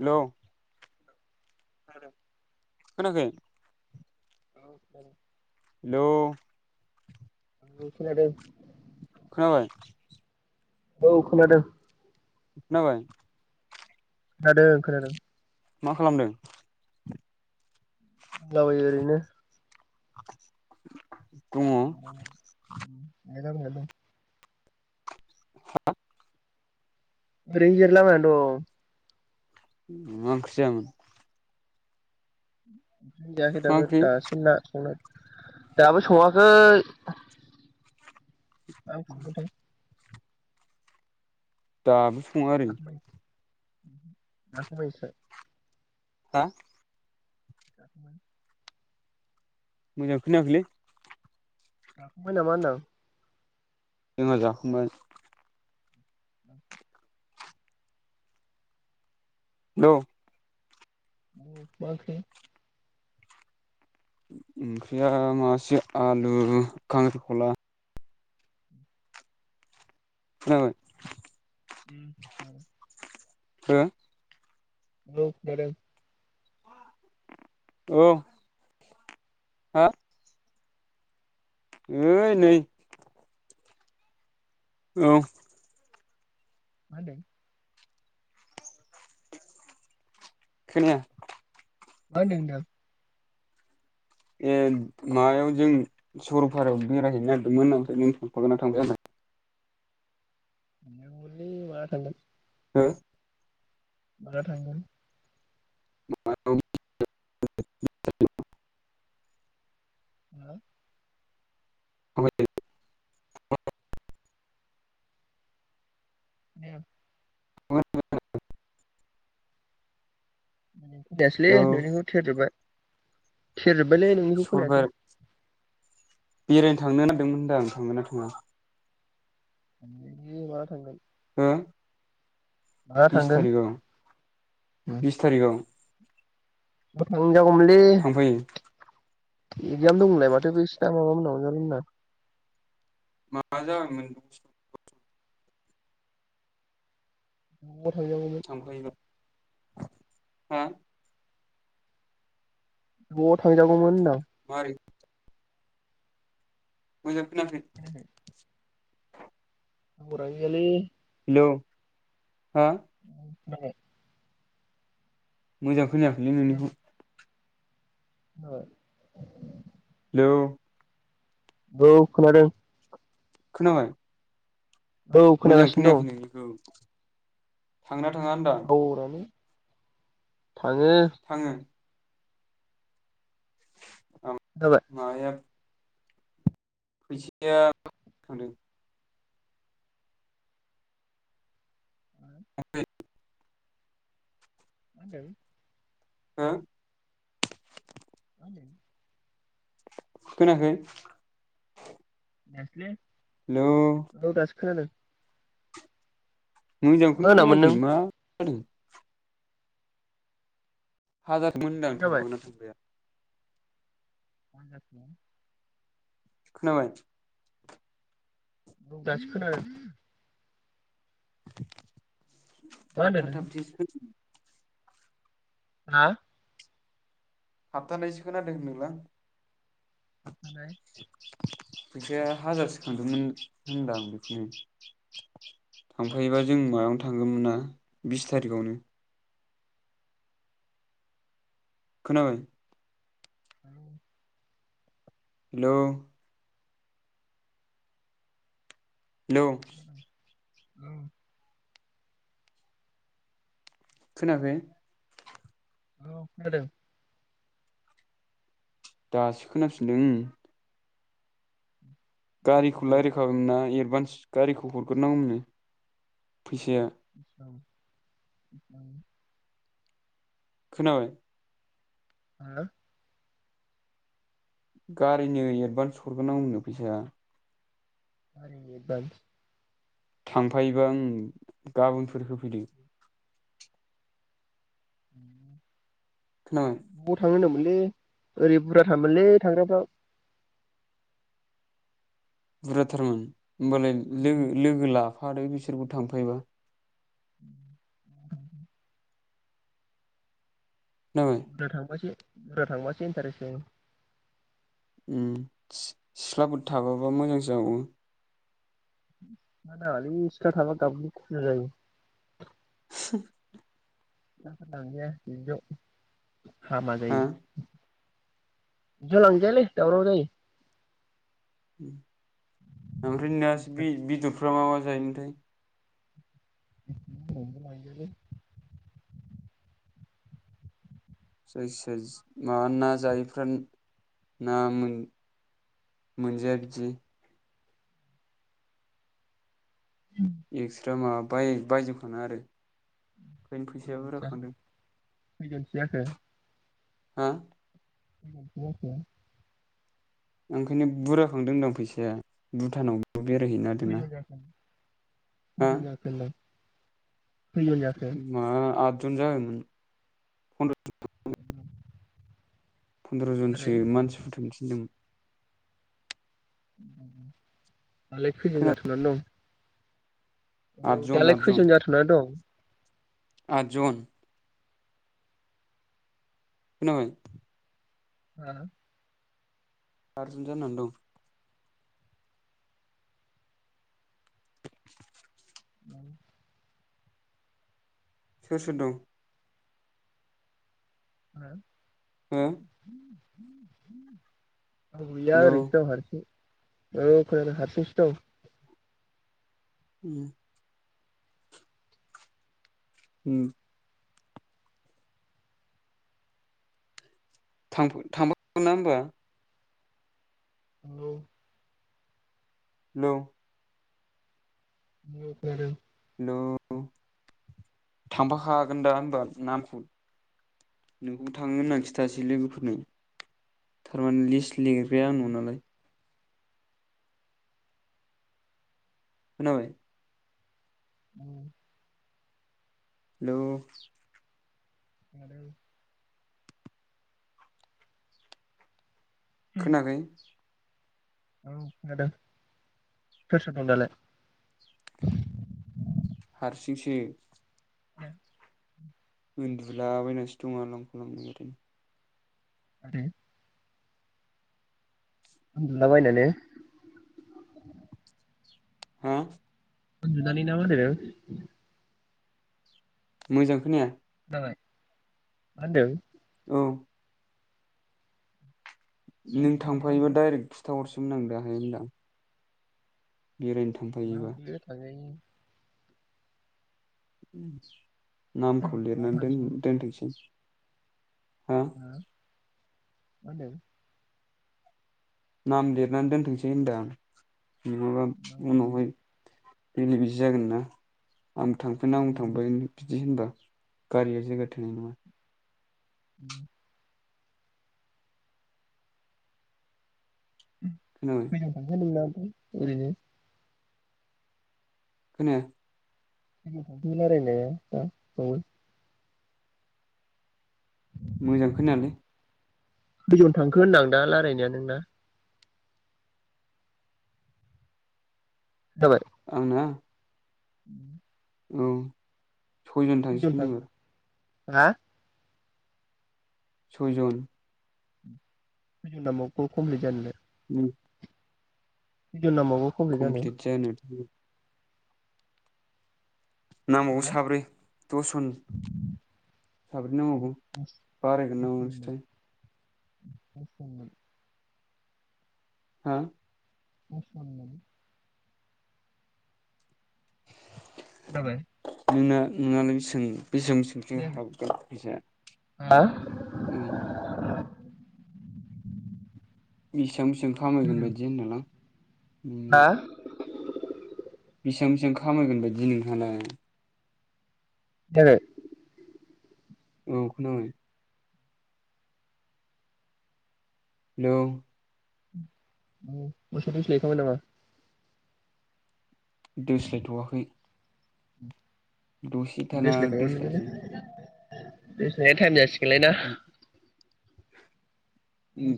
हेल' आरो खोनायाखै। औ [unintelligible] हेल' आंबो खोनादों। खोनाबाय? औ खोनादों। खोनाबाय। खोनादों खोनादों। मा खालामदों? दंलाबायो ओरैनो। [inaudible] [inaudible] [unintelligible] हा ओरैनो जिरायला बायना दं। मा ओंख्रै जायामोन? [inaudible] जायाखै मा दाबो ओंख्रि दासो ना संनो दाबो सङाखै। [unintelligible] दाबो स सङा आरो। जाखांबाय [unintelligible] हा [unintelligible] मोजां खोनायाखैलै। जाखांबाय नामा होनदां? जोंहा जाखांबाय। [inaudible] हेल' मा ओंख्रै? ओंख्रिया माबासे आलु खांख्रिखला। खोनाबाय। मा हो? [unintelligible] औ। हा? ओइ नै औ। मा होनदों? खोनाया। मा होनदों होनदों? ए मायाव जों सरलपारायाव बेरायहैनो नागिरदोंमोन, ओमफ्राय नों थांफागोनना थांफाया आंजों? थांनांगौमोनलै माला थांगोन? हो माला थांगोन? [unintelligible] हो? [unintelligible] [unintelligible] [unintelligible] [unintelligible] देयासैलै नोंनिखौ थेरजोबबाय। थेरजोब बायलै नोंनिखौ खोनायाखै। सरलपारा बेरायनो थांनो नागदोंमोन होनदां आं थांगोन ना थाङा? दि माला थांगोन? आ माला बिस थांगोन थारिखयाव ज' बिस थारिखयाव। थांजागौमोनलै थांफायो एकजाम दं होनलाय माथ ए बिसिना माबामोनना अनजालि मोन्ना [unintelligible] थांबा थांजागौमोन थांफायोबा हा न'आव थांजागौमोन होनदां मारै मोजां खोनाखै थावारानो गैयालै हेलौ हा [unintelligible] मोजां खोनायाखैलै नोंनिखौ ओ [inaudible] हेलौ औ खोनादों। खोनाबाय औ मोजां खोनागासिनो खोनायाखै दं नोंनिखौ थांना थाङा होनदां औ रानि थाङो। थाङो [unintelligible] खोनाबाय मायाब फैसाया थांदों [unintelligible] मा होनदों हा [inaudible] खोनाखै नेसले। औ दासो खोनादों। मा मोजांखौनो होनामोन खोनायाखै नों मा खोनादों हागादमोनदां खोनाबाय थांबागोनना थांफाया? मानदाब दं खोनाबाय दासो खोनादों [inaudible] मा होनदों थाबथा नों थाबथि खोन आ। थाबथानायसो खोनादों होनदोंलां। थाबथानाय फैसाया हाजारसो खांदोंमोन होनदां बेखौनो। औ थांफायोबा जों मायाव था थांगोमोनना बिस थारिखआवनो। खोनाबाय? Hello hello hello. औ। खोनाखै? औ खादों। दासो खोनाफिनदों उम खालामदों गारिखौ दालाय लायरायखोनना येर एदभान्स गारिखौ हरग्रोनांगौमोननो फैसाया [unintelligible] [unintelligible] खोनाबाय? आ। गारिनो एडभान्स हरगोरनावमनो फैसाया। गारिनि एडभान्स? थांफायोबा ओं गाबोनफोर होफैदो। [unintelligible] खोनाबाय ब थांयो होनदोमो ओंलो ओरै बुरजा थामोनलै थाग्राफ्रा। बुर्जा थारमोन। होमबालाय लोगो लोगो ला आरो बिसोरबो थांफायोबा खोनाबाय दा थांफासे बुरजा थांबासो इन्टारेस्ट जायो। उम सि सिख्लाफोर थाफाफा मोजांसो जाबावो। सिख्ला नाङालै सिख्ला थाबा गाबगु खुगु जायो। [unintelligible] सिख्लाफोर लांजाया बिदियाव हामालै। हा बिदियाव लांजायालै दावराव जायो। उ ओमफ्राय नोहासो बे बेदरख फ्रा मा मा जायोमोन्थाय? [unintelligible] जायसिया जि माबा ना जायैफ्रा ना मोन-मोनजाया बिदि एक्स्रा माबा बाय-बायजोब खानाङा आरो। ओखायनो फैसाया बुरजा खांदों। खैजनसो जाखो? हा खैजनसो जाखो? ओंखायनो बुर्जा खांदों होनदां फैसाया भुटानाव बाव बेरायहैनो नागेरदोंना। खैजन जाखो खैजन जाखो होन्दां? माबा आद जन जाबायमोन फन्द्र [unintelligible] फन्द्र' मारै जनसो मानसिफोर थिनदोंमोन। [unintelligible] दालाय खैजन खोना जाथ'नानै दं? औ आदजन दालाय आदजन खैजन जाथ'ना दं? आदजन खोनाबाय? हा? आरजन जानानै दं। [unintelligible] सोर सोर दं? हो हो [inaudible] [inaudible] रावबो गैया हेलौ आरैनोसो दं हारसिं। औ फोर हारसिंसो दं, उम उम थां बो थां गोनना होमबा? औ हेलौ [unintelligible] खोनांदों, हेलौ थांफाखागोन दा होनबा नामखौ नोंखौ थांगोन होनना खिथासै लोगोफोरनो थारमाने लिस्ट, लिरग्राया आंनु नालाय खोनाबाय उम हेलौ खोनादो खोनाखै औ खोनादों सोर सोर दं दालाय? हारसिंसो उम उन्दुलाबायनासो दं आलां फालांनो ओरै, ओम उन्दुला बायनानै, हा उन्दुनानै ना मा होन्दों? मोजां खोनाया, जाबाय मा होनदों औ नों उन्दुदों ना थांफायोबा मा डाइरेक्ट खिथाहरसै होनां दाहाय होनदों आं बेरायनो थांफायोबा, होनदों थांजायो उम नाम खौ न'आव लिरनानै दोन थांसै ओ दोनथों सै, हा मा होनदों? नाम लिरनानै दोनथोंसै होनदों आं नङाबा उनावहाय, बेले बेजे जागोना? आं थांफांनो आं थांफाहिनि बिदि होनबा, गारिया जायगा थोनाय नङा। उम उम खोनाबाय [unintelligible] उम ओरैनो खोनाया। नों रायलायनाया दा बावै। मोजां खोनायालै। खैजन थांखो होनदां दा रायलायनाया नोंना? खोनाबाय? आंना? उम। औ। सयजन खैजन थांसिगोन थां एबार। हा सयजन खैजन नांबावगौ कमप्लिट जानोलाय? उम खैजन नांबावगौ कमप्लिट जानो? नांबावगौ हा साब्रै, दसजन साब्रै नांबावगौ बारायगोनसो नामाथाय? खोनाबाय [unintelligible] हा? [unintelligible] खोनाबाय? आंना नोंना नोंना सों? बेसेबांसोसिम हाबगोन फैसाया? हा हा औ। नि बेसेबां बेसिबां खामायगोन बायदि होनदोंलां? नोंनियाव। बेसिबां बेसिबां खामायगोन बायदि नोंहालाय? जाबाय? औ खोनाबाय। हेलौ। उम मोसोव दोस्लाय हैखांबाय नामा? दोस्लायथवाखै। उम। दसे थाना दोस्लायनोसै। दोस्लायनाय थाइम जासै सिगोन लायना?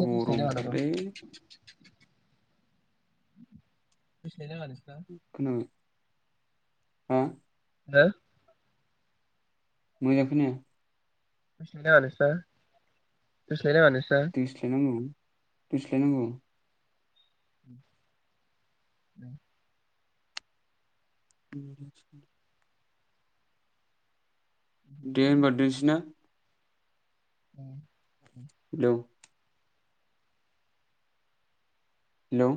गरम थालै। खोनाबाय [unintelligible] हा [unintelligible] मोजां खोनाया दोस्लायनाङा नोंसिना दोस्लायनांगौ दोस्लायनांगौ [inaudible] [inaudible] नोंस्रा दे होनबा दोनसैना औ हेलौ हेलौ